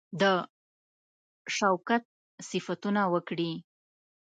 د شوکت صفتونه وکړي.